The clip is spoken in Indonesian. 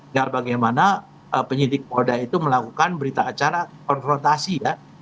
agar bagaimana penyidik moda itu melakukan berita acara konfrontasi ya